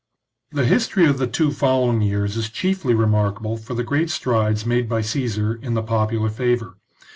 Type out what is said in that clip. The history of the two following years is chiefly remarkable for the great strides made by Caesar in the popular favour.